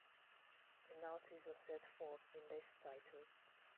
Penalties are set forth in this title.